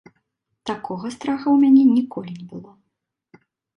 Такога страха ў мяне ніколі не было.